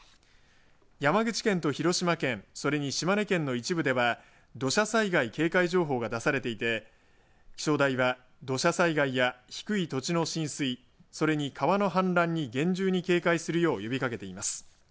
山口県と広島県それに島根県の一部では土砂災害警戒情報が出されていて気象台は土砂災害や低い土地の浸水それに川の氾濫に厳重に警戒するよう呼びかけています。